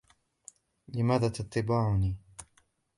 لماذا تتبعني ؟